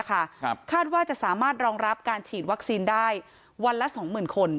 คาดว่าจะสามารถรองรับการฉีดวัคซีนได้วันละ๒๐๐๐คน